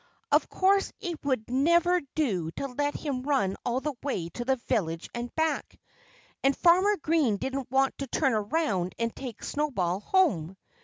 Of course it would never do to let him run all the way to the village and back. And Farmer Green didn't want to turn around and take Snowball home.